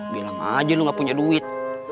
bilang aja lu nggak punya duit